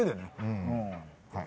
はい。